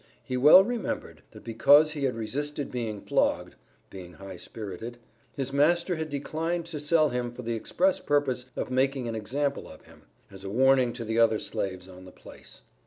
He well remembered, that, because he had resisted being flogged (being high spirited), his master had declined to sell him for the express purpose of making an example of him as a warning to the other slaves on the place.